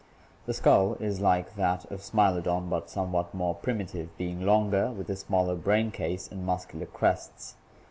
The skull is like that of Smilodon, but somewhat more primitive, being longer, with a smaller brain case and muscular crests.